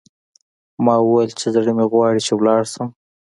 ما وویل چې، زړه مې غواړي چې ولاړ شم.